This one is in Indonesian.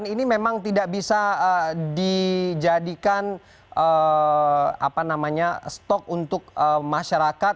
ini memang tidak bisa dijadikan stok untuk masyarakat